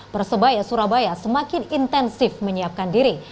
persebaya surabaya semakin intensif menyiapkan diri